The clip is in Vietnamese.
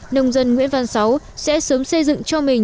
nông dân nguyễn văn sáu sẽ sớm xây dựng cho mình